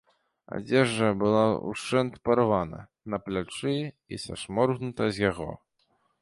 Адзежа была ўшчэнт парвана на плячы і сашморгнута з яго.